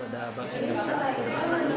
dengan secara menarik